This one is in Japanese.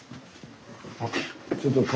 あっ。